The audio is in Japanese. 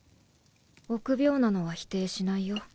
臆病なのは否定しないよ。